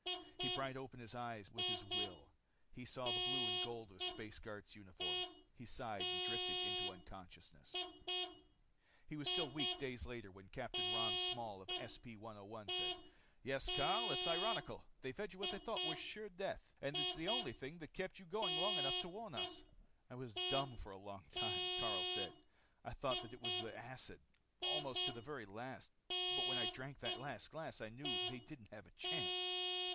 He pried open his eyes with his will. He saw the blue and gold of a space guard's uniform. He sighed and drifted into unconsciousness. He was still weak days later when Capt. Ron Small of SP 101 said, "Yes, Karyl, it's ironical. They fed you what they thought was sure death, and it's the only thing that kept you going long enough to warn us." "I was dumb for a long time," Karyl said. "I thought that it was the acid, almost to the very last. But when I drank that last glass, I knew they didn't have a chance.